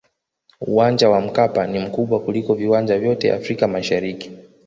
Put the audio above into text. uwanja wa mkapa ni mkubwa kuliko viwanja vyote afrika mashariki